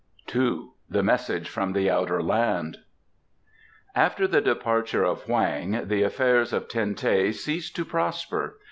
ii. THE MESSAGE FROM THE OUTER LAND After the departure of Hoang the affairs of Ten teh ceased to prosper.